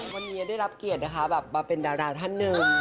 วันนี้ได้รับเกียรตินะคะแบบมาเป็นดาราท่านหนึ่ง